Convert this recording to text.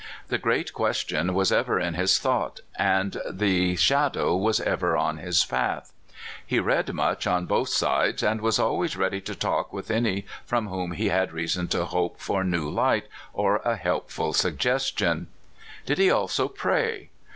The Great Question was ever in his thought, and the shadow was ever on his path. He read much on both sides, and was always ready to talk with any from whom he had reason to hope for new light or a helpful sugges WINTER BLOSSOMED. 251 tion. Did he also pray?